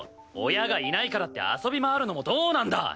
親がいないからって遊び回るのもどうなんだ？